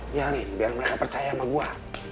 nyari biar mereka percaya sama gue